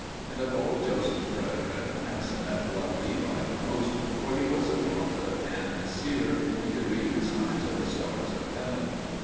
And of all Joseph's brethren, Aseneth loved Levi the most, for he was a prophet and a seer, and could read the signs of the stars of heaven.